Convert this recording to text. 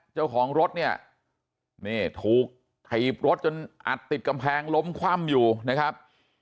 เจ้าของรถเนี่ยนี่ถูกถีบรถจนอัดติดกำแพงล้มคว่ำอยู่นะครับ